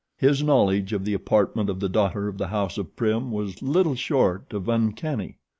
His knowledge of the apartment of the daughter of the house of Prim was little short of uncanny.